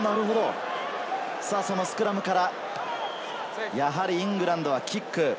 スクラムからやはりイングランドはキック。